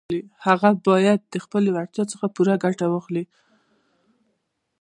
هغه بايد له خپلې وړتيا څخه پوره ګټه واخلي.